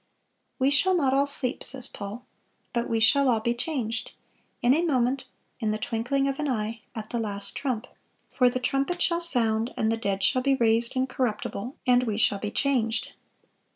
"We shall not all sleep," says Paul, "but we shall all be changed, in a moment, in the twinkling of an eye, at the last trump: for the trumpet shall sound, and the dead shall be raised incorruptible, and we shall be changed.